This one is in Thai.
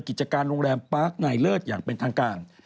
กิจการโรงแรมปาร์คนายเลิศอย่างเป็นทางการ